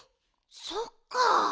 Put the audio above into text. そっか。